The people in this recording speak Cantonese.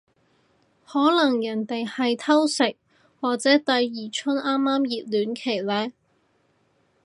可能人哋係偷食或者第二春啱啱熱戀期呢